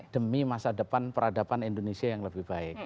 demi masa depan peradaban indonesia yang lebih baik